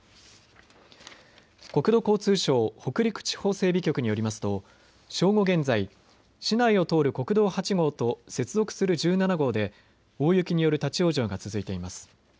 国土交通省北陸地方整備局によりますと正午現在、市内を通る国道８号と接続する１７号で大雪による立往生が続いています。